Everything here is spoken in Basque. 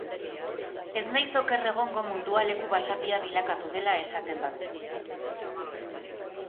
Ez naiz oker egongo mundua leku basatia bilakatu dela esaten badut.